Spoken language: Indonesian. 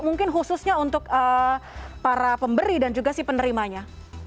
mungkin khususnya untuk para pemberi dan juga si penerimanya